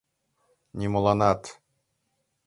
Нимоланат!